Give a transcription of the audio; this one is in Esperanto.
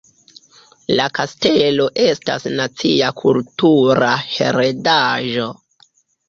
La kastelo estas nacia kultura heredaĵo.